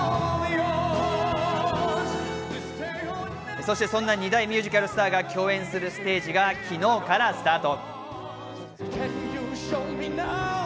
そして、そんな２大ミュージカルスターが共演するステージが昨日からスタート。